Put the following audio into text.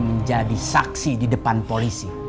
menjadi saksi di depan polisi